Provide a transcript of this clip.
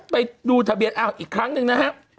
ไปดูทะเบียนอ้าวอีกครั้งหนึ่งนะครับ